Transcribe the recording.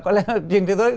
có lẽ trên thế giới